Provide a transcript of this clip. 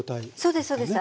そうですそうです。